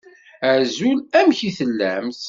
Azul! Amek i tellamt?